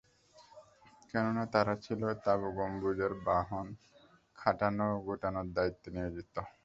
কেননা, তারা ছিল তাঁবু গম্বুজের বহন, খাটানো ও গুটানোর দায়িত্বে নিয়োজিত।